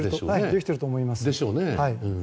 できていると思います。